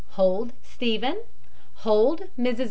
HOLD, STEPHEN. HOLD, MRS.